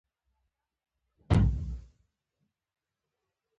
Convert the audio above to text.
آیا بوشهر بل مهم بندر نه دی؟